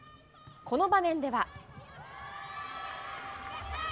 この場面では。